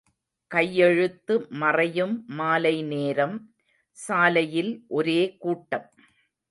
கையெழுத்து மறையும் மாலை நேரம் — சாலையில் ஒரே கூட்டம்.